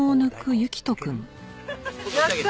やった！